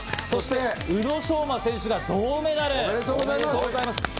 そして宇野昌磨選手が銅メダル。おめでとうございます。